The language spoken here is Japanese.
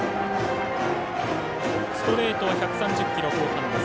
ストレートは１３０キロ後半です。